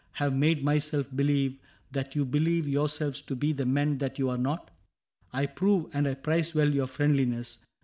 Have made myself believe that you believe Yourselves to be the men that you are not ? I prove and I prize well your friendliness.